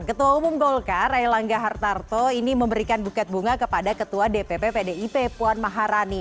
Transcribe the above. ketua umum golkar air langga hartarto ini memberikan buket bunga kepada ketua dpp pdip puan maharani